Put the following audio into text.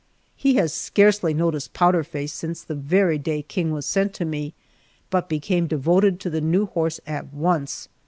He has scarcely noticed Powder Face since the very day King was sent to me, but became devoted to the new horse at once.